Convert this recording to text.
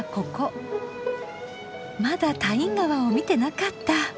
まだタイン川を見てなかった。